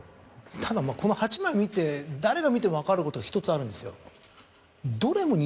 ただこの８枚見て誰が見ても分かることが１つあるんですよ。